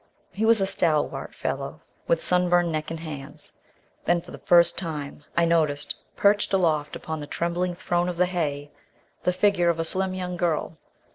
He was a stalwart fellow, with sunburned neck and hands. Then, for the first time, I noticed, perched aloft upon the trembling throne of hay, the figure of a slim young girl.